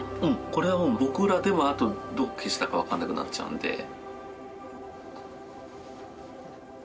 うんこれは僕らでもどこ消したか分からなくなっちゃうんで。